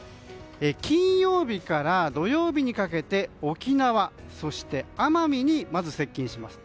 金曜日から土曜日にかけて沖縄そして奄美に、まず接近します。